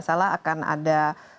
salah akan ada